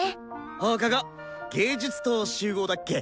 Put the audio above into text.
放課後芸術棟集合だっけ？